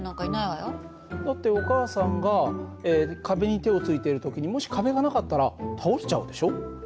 だってお母さんが壁に手をついている時にもし壁がなかったら倒しちゃうでしょ。